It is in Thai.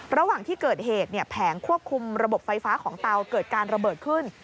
ระหว่างที่เกิดเหตุแผงควบคุมระบบไฟฟ้าของเตาเกิดการระเบิดขึ้น